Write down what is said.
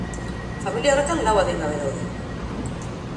Familia horretan lau adingabe daude.